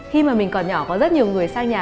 khi mà mình còn nhỏ có rất nhiều người sang nhà